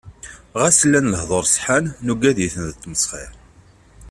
Ɣas llan lehdur ṣeḥḥan, nuggad-iten d ttmesxir.